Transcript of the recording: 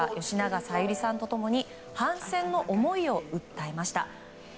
吉永小百合さんと共に反戦の思いを訴えました。